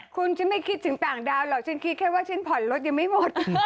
คุณฉันไม่คิดถึงต่างดาวหรอกฉันคิดแค่ว่าฉันผ่อนรถยังไม่หมด